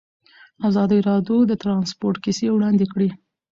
ازادي راډیو د ترانسپورټ کیسې وړاندې کړي.